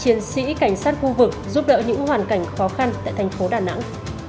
chiến sĩ cảnh sát khu vực giúp đỡ những hoàn cảnh khó khăn tại thành phố đà nẵng